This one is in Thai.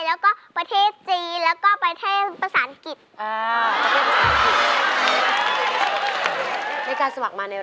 แล้วก็ประเทศจีนแล้วก็ประเทศภาษาอังกฤษ